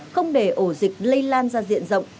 không để ổ dịch lây lan ra diện rộng